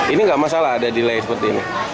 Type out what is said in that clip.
ini nggak masalah ada delay seperti ini